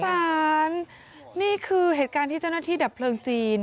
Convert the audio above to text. สารนี่คือเหตุการณ์ที่เจ้าหน้าที่ดับเพลิงจีน